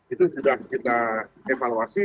itu sudah kita evaluasi